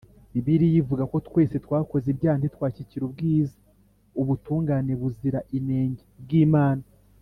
Bibiliya ivuga ko twese twakoze ibyaha ntitwashyikira ubwiza (ubutungane buzira inenge) bw'Imana.